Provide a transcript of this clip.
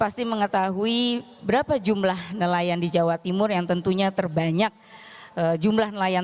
pasti mengetahui berapa jumlah nelayan di jawa timur yang tentunya terbanyak jumlah nelayan